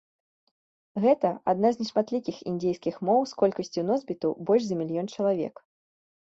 Гэта адна з нешматлікіх індзейскіх моў з колькасцю носьбітаў больш за мільён чалавек.